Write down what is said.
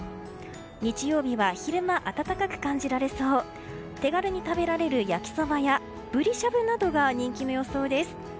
日曜日は、昼間暖かく感じられそう手軽に食べられる焼きそばや、ブリしゃぶなどが人気の予想です。